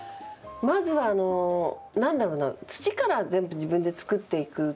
まずは何だろうな土から全部自分で作っていく。